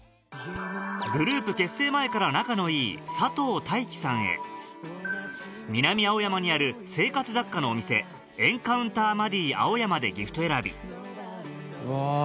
グループ結成前から仲のいい佐藤大樹さんへ南青山にある生活雑貨のお店ＥＮＣＯＵＮＴＥＲＭａｄｕＡｏｙａｍａでギフト選びうわ